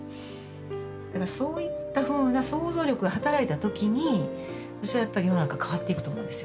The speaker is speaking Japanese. だからそういったふうな想像力が働いた時に私はやっぱり世の中変わっていくと思うんですよね